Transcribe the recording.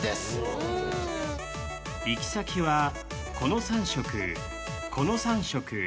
行き先はこの３色この３色。